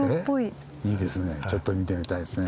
いいですねちょっと見てみたいですね。